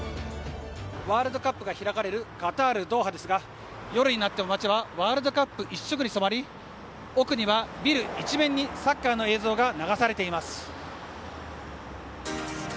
ワールドカップが開かれるカタール・ドーハですが夜になっても街はワールドカップ一色に染まり奥にはビル一面にサッカーの映像が流されています。